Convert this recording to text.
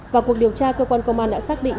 vào cuộc điều tra cơ quan công an đã xác định